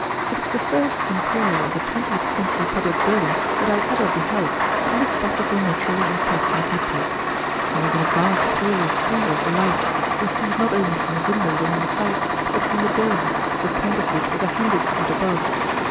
It was the first interior of a twentieth century public building that I had ever beheld, and the spectacle naturally impressed me deeply. I was in a vast hall full of light, received not alone from the windows on all sides, but from the dome, the point of which was a hundred feet above.